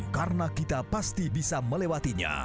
karena kita pasti bisa melewatinya